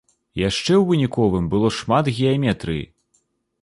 Яшчэ ў выніковым было шмат геаметрыі.